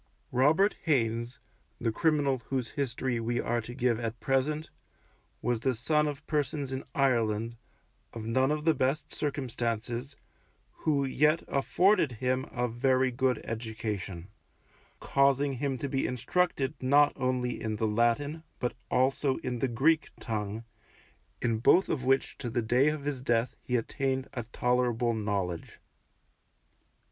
Robert Haynes, the criminal whose history we are to give at present, was the son of persons in Ireland, of none of the best circumstances, who yet afforded him a very good education, causing him to be instructed not only in the Latin, but also in the Greek tongue, in both of which to the day of his death he attained a tolerable knowledge.